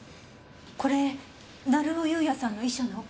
これ成尾優也さんの遺書の？